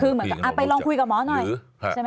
คือเหมือนกันลำไปลองคุยกับหมอหน่อย